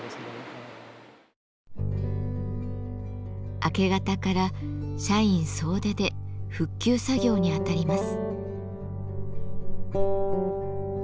明け方から社員総出で復旧作業にあたります。